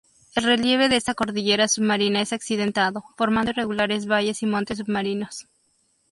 El relieve de esta cordillera submarina es accidentado, formando irregulares valles y montes submarinos.